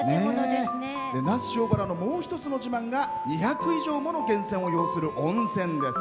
那須塩原のもう一つの自慢が２００以上もの源泉を持つ温泉です。